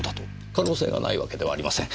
可能性がないわけではありません。